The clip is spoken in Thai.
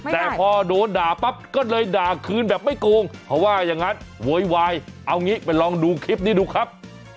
แต่พอโดนด่าปั๊บก็เลยด่าคืนแบบไม่โกงเขาว่าอย่างนั้นโวยวายเอางี้ไปลองดูคลิปนี้ดูครับ